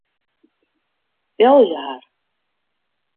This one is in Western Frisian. Belje har.